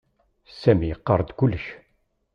Sami iqarr-d kullec.